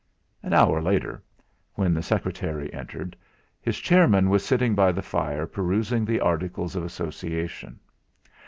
.... An hour later, when the secretary entered, his chairman was sitting by the fire perusing the articles of association.